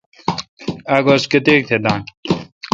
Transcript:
اک گز کتیک تہ دان